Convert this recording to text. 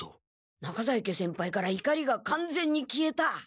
中在家先輩からいかりがかんぜんに消えた。